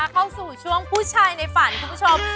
เข้าสู่ช่วงผู้ชายในฝันคุณผู้ชม